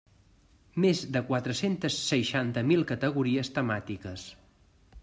Més de quatre-centes seixanta mil categories temàtiques.